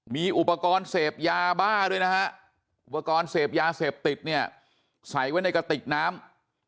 มีอุปกรณ์เสพยาบ้าด้วยนะฮะอุปกรณ์เสพยาเสพติดเนี่ยใส่ไว้ในกระติกน้ำ